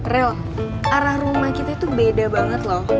rel arah rumah kita itu beda banget loh